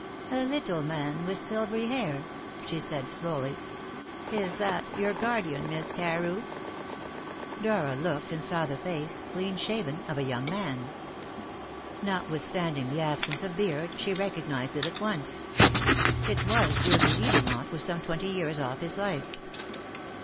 "A little man with silvery hair," she said slowly "is that your guardian, Miss Carew?" Dora looked and saw the face clean shaven of a young man. Notwithstanding the absence of beard, she recognised it at once. It was Julian Edermont, with some twenty years off his life.